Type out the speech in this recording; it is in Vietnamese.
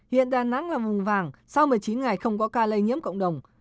hiện đà nẵng là vùng vàng sau một mươi chín ngày không có ca lây nhiễm cộng đồng